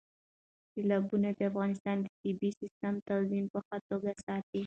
سیلابونه د افغانستان د طبعي سیسټم توازن په ښه توګه ساتي.